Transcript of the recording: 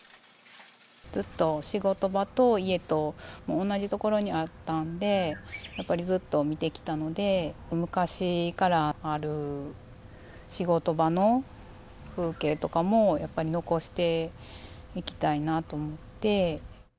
ずっと仕事場と家と、同じ所にあったんで、やっぱりずっと見てきたので、昔からある仕事場の風景とかも、やっぱり残していきたいなと思って。